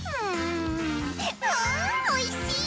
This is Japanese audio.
んおいしい！